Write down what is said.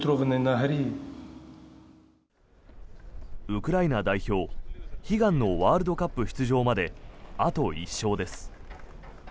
ウクライナ代表悲願のワールドカップ出場まであと１勝です。